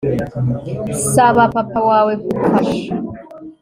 Saba papa wawe kugufasha